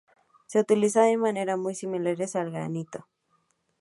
Se utiliza de maneras muy similares al granito.